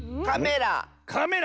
カメラ。